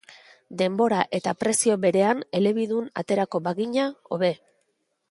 Denbora eta prezio berean elebidun aterako bagina, hobe.